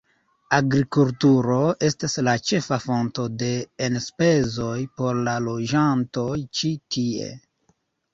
Agrikulturo estas la ĉefa fonto de enspezoj por la loĝantoj ĉi tie.